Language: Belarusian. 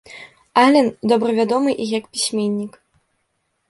Ален добра вядомы і як пісьменнік.